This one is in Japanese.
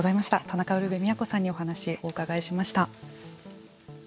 田中ウルヴェ京さんにお話をお伺いしました。